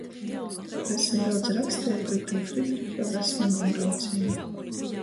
Prese daudz raksteja par itū Frīdriha Vesmaņa braucīni.